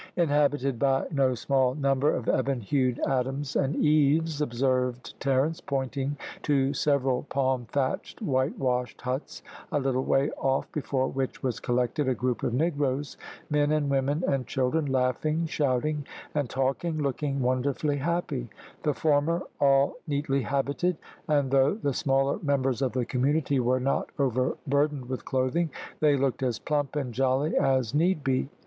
"Inhabited by no small number of ebon hued Adams and Eves," observed Terence, pointing to several palm thatched, white washed huts, a little way off, before which was collected a group of negroes, men, and women, and children, laughing, shouting, and talking, looking wonderfully happy; the former all neatly habited, and though the smaller members of the community were not overburdened with clothing, they looked as plump and jolly as need be.